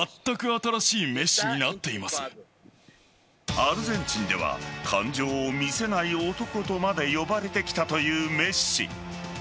アルゼンチンでは感情を見せない男とまで呼ばれてきたというメッシ。